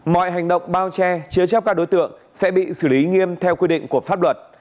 mọi hành động bao che chứa chấp các đối tượng sẽ bị xử lý nghiêm theo quy định của pháp luật